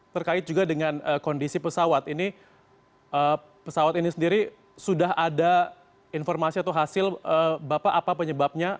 terkait juga dengan kondisi pesawat ini pesawat ini sendiri sudah ada informasi atau hasil bapak apa penyebabnya